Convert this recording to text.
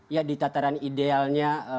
ya di tataran idealnya